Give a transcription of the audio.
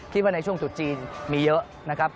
คิดว่าในช่วงจุดจีนมีเยอะนะครับ